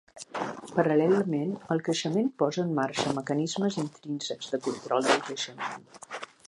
Paral·lelament, el creixement posa en marxa mecanismes intrínsecs de control del creixement.